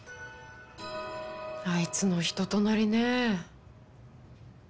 あいつの人となりねえ。